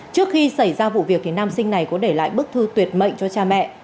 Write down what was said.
trước khi xảy ra vụ việc thì nam sinh này có để lại bức thư tuyệt mệnh cho cha mẹ